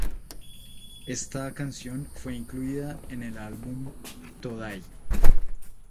Esta canción fue incluida en el álbum "Today!